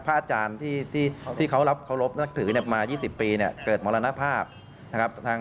อาจารย์ที่เขาเคารพนับถือมา๒๐ปีเนี่ยเกิดมรณภาพนะครับ